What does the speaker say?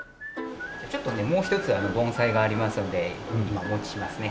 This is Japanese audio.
ちょっとねもう一つ盆栽がありますんで今お持ちしますね。